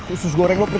usus goreng lu ber